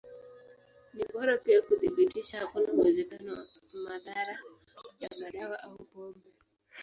Ni bora pia kuthibitisha hakuna uwezekano wa madhara ya madawa au pombe.